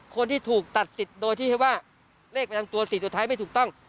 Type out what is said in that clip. คนที่ถูกตัดสิทธิ์โดยที่ให้ว่าเลขประจำตัว๔ตัวท้ายไม่ถูกต้อง